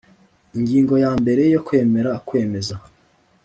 Ingingo ya mbere Kwemera kwemeza